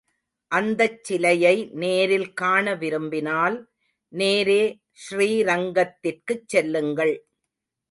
அந்தச் சிலையை நேரில் காண விரும்பினால், நேரே ஸ்ரீரங்கத்திற்குச் செல்லுங்கள்.